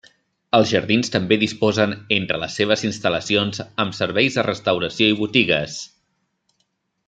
Els jardins també disposen entre les seves instal·lacions amb serveis de restauració i botigues.